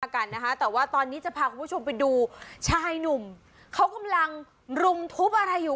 กันนะคะแต่ว่าตอนนี้จะพาคุณผู้ชมไปดูชายหนุ่มเขากำลังรุมทุบอะไรอยู่